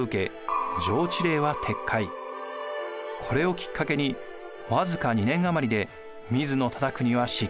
これをきっかけに僅か２年余りで水野忠邦は失脚。